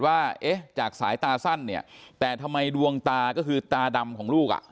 ว่าเอ๊ะจากสายตาสั้นเนี่ยแต่ทำไมดวงตาก็คือตาดำของลูกอ่ะ